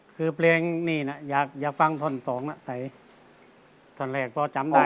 คือเพลงนี่นะอย่าฟังท่อน๒นะใส่ท่อนแรกเพราะจำได้